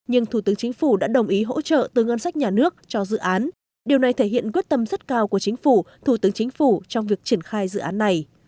nhưng thủ tướng chính phủ đã đồng ý hỗ trợ từ ngân sách nhà nước cho dự án điều này thể hiện quyết tâm rất cao của chính phủ thủ tướng chính phủ trong việc triển khai dự án này